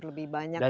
lebih banyak variasi